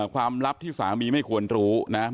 ความลับที่สามีไม่ควรรู้นะ